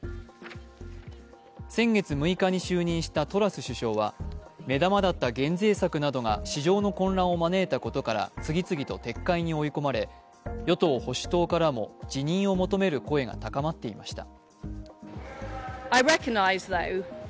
先月６日に就任したトラス首相は目玉だった減税策などが市場の混乱を招いたことから次々と撤回に追い込まれ与党・保守党からも辞任を求める声が高まっていました。